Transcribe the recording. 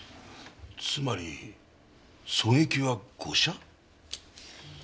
つまり狙撃は誤射？